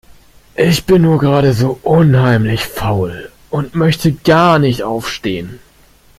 Ich bin nur gerade so unheimlich faul. Und möchte gar nicht aufstehen.